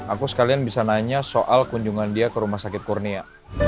aku sekalian bisa nanya soal kunjungan dia ke rumah sakit kurnia